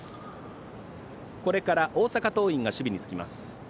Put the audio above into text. これから大阪桐蔭が守備につきます。